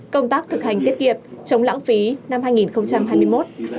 công tác thực hành tiết kiệm chống lãng phí năm hai nghìn hai mươi một